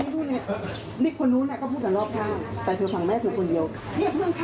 ทุกคนเขามีเหตุและผลแพ้